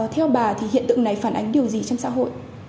theo bà thì hiện tượng này phản ánh điều gì trong xã hội